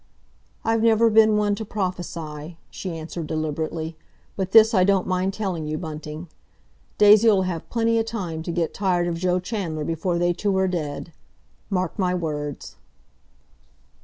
"I've never been one to prophesy," she answered deliberately. "But this I don't mind telling you, Bunting—Daisy'll have plenty o' time to get tired of Joe Chandler before they two are dead. Mark my words!"